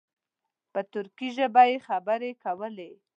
په ترکي ژبه یې خبرې کولې.